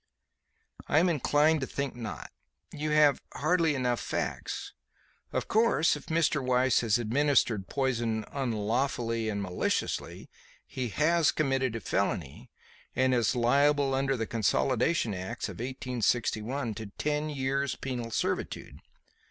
"I am inclined to think not. You have hardly enough facts. Of course, if Mr. Weiss has administered poison 'unlawfully and maliciously' he has committed a felony, and is liable under the Consolidation Acts of 1861 to ten years' penal servitude.